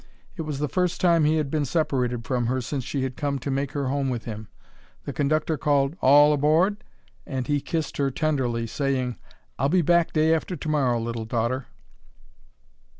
It was the first time he had been separated from her since she had come to make her home with him. The conductor called, "All aboard!" and he kissed her tenderly, saying, "I'll be back day after to morrow, little daughter."